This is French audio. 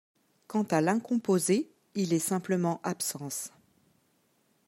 Quant à l'incomposé, il est simplement absence.